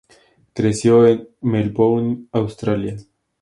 Creció en Melbourne, Australia.